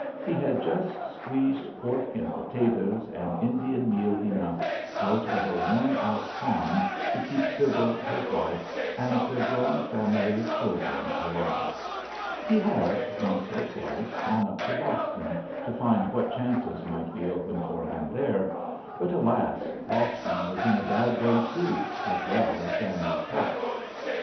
He had just squeezed pork and potatoes and Indian meal enough out of a worn out farm to keep Sybil, his wife, and their growing family of children alive. He had, once or twice, gone up to Boston to find what chances might be open for him there. But, alas, Boston was in a bad way too, as well as Samuel Cutts.